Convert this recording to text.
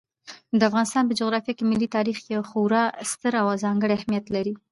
د افغانستان په جغرافیه کې ملي تاریخ یو خورا ستر او ځانګړی اهمیت لري.